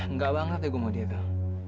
nggak banget deh gue mau dia tuh